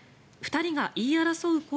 ２人が言い争う